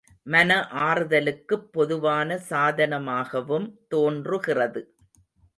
மன ஆறுதலுக்குப் பொதுவான சாதனமாகவும் தோன்றுகிறது.